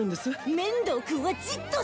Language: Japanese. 面堂君はじっとしてて。